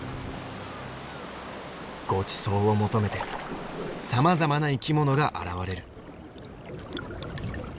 ごちそうを求めてさまざまな生き物が現れる。